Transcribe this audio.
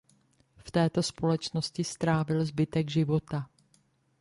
V této společnosti strávil zbytek života.